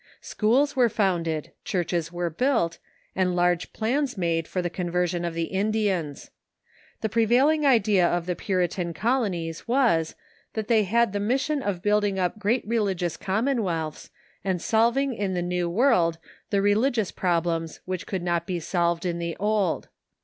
Schools were founded, churches were built, and large plans made for the conversion of the Indians. The pre vailing idea of the Puritan colonies Avas, that the}' had the mission of building up great religious commonwealths, and solving in the New World the religious problems which could not be solved in the Old.